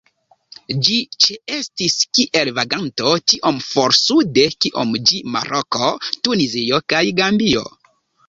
Ĝi ĉeestis kiel vaganto tiom for sude kiom ĝis Maroko, Tunizio kaj Gambio.